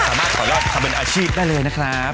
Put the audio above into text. สามารถต่อยอดทำเป็นอาชีพได้เลยนะครับ